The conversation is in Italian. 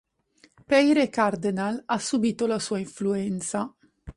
Peire Cardenal ha subito la sua influenza.